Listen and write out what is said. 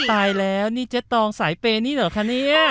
อ้อ้อ้อตายแล้วนี่เจ๊ตองสายเปรแบบนี้หรอคะเนี่ย